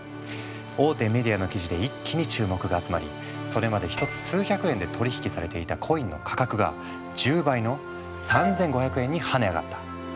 大手メディアの記事で一気に注目が集まりそれまで１つ数百円で取引されていたコインの価格が１０倍の３，５００円に跳ね上がった。